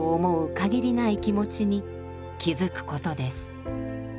限りない気持ちに気づくことです。